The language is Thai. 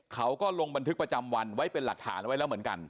เขาก็ลงบันทึกประจำวันไว้เป็นหลักฐานไว้แล้วเหมือนกัน